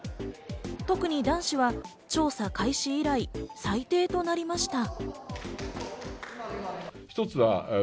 特に男子は調査開始以来、最低となりました。